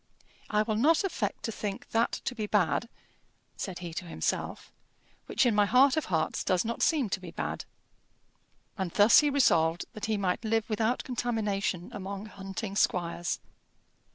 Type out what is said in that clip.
"I will not affect to think that to be bad," said he to himself, "which in my heart of hearts does not seem to be bad." And thus he resolved that he might live without contamination among hunting squires.